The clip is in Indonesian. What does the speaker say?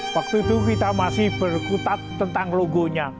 waktu itu kita masih berkutat tentang logonya